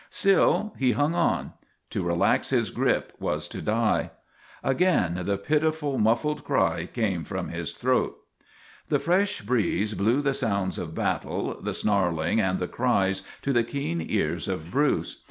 Still he hung on. To relax his grip was to die. Again the pitiful, muffled cry came from his throat. The fresh breeze blew the sounds of battle, the snarling and the cries, to the keen ears of Bruce.